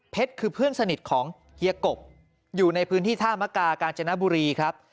คือเพื่อนสนิทของเฮียกบอยู่ในพื้นที่ท่ามกากาญจนบุรีครับ